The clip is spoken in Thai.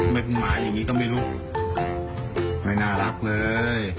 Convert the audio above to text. กฎหมายอย่างนี้ก็ไม่รู้ไม่น่ารักเลย